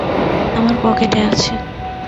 আমার পকেটে আছে।